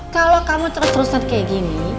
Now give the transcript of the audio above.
kalau kamu terus terusan kayak gini